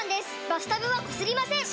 バスタブはこすりません！